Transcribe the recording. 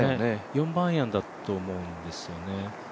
４番アイアンだと思うんですよね。